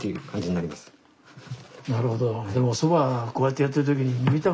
なるほど。